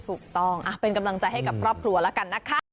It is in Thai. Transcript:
ก็ต้องจะให้กับรอบครัวแล้วกันนะคะ